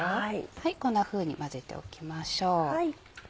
こんなふうに混ぜておきましょう。